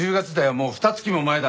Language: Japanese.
もうふた月も前だ。